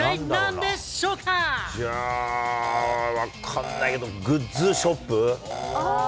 じゃあ、分かんないけど、グッズショップ？